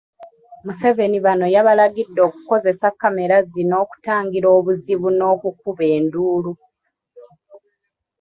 Museveni bano yabalagidde okukozesa kkamera zino okutangira obuzibu n’okukuba enduulu.